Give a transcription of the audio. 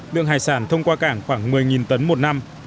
lượng hải sản thông qua cảng khoảng một mươi tấn một năm